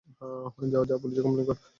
যা, পুলিশে কমপ্লেইন কর।